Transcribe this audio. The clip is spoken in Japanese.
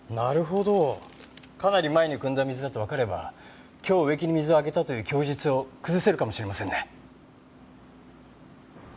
かなり前に汲んだ水だってわかれば今日植木に水をあげたという供述を崩せるかもしれませんね。